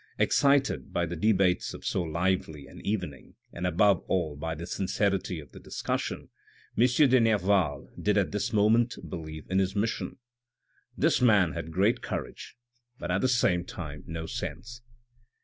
Ex cited by the debates of so lively an evening, and above all by the sincerity of the discussion, M. de Nerval did at this moment believe in his mission. This man had great courage, but at the same time no sense.